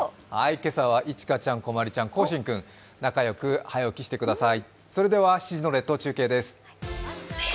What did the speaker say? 今朝はいちかちゃん、こまりちゃんこうしん君、仲良く早起きしてください。